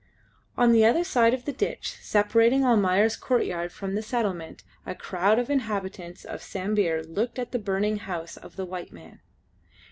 On the other side of the ditch, separating Almayer's courtyard from the settlement, a crowd of the inhabitants of Sambir looked at the burning house of the white man.